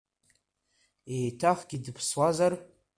Еиҭахгьы дыԥсуазар?!